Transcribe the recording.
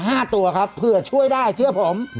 ห้าตัวครับเผื่อช่วยได้เชื่อผม